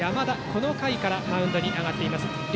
この回からマウンドに上がっています。